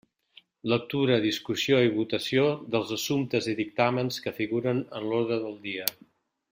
Lectura, discussió i votació dels assumptes i dictàmens que figuren en l'ordre del dia.